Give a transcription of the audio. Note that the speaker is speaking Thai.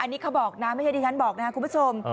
อันนี้เขาบอกนะไม่ใช่ที่ฉันบอกนะครับคุณผู้ชม